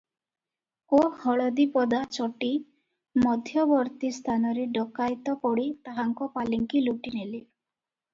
ଓ ହଳଦୀପଦା ଚଟି ମଧ୍ୟବର୍ତ୍ତୀ ସ୍ଥାନରେ ଡକାଏତ ପଡ଼ି ତାହାଙ୍କ ପାଲିଙ୍କି ଲୁଟି ନେଲେ ।